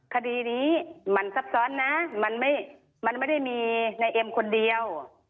คดีนี้มันซับซ้อนนะมันไม่ได้มีในเอ็มคนเดียว